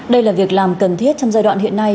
đây là việc làm cần thiết trong giai đoạn hiện nay